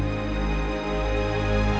tidak ada suara orang nangis